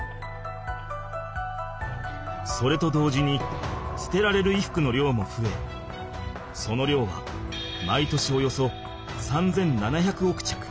それと同時に捨てられる衣服の量もふえその量は毎年およそ３７００億着。